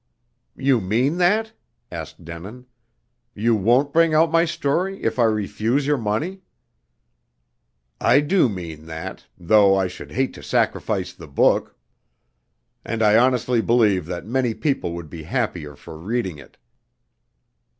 "You mean that?" asked Denin. "You won't bring out my story if I refuse your money?" "I do mean that, though I should hate to sacrifice the book. And I honestly believe that many people would be happier for reading it."